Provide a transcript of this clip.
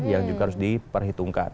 yang juga harus diperhitungkan